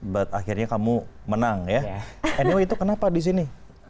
but akhirnya kamu menang ya anyway itu kenapa di sini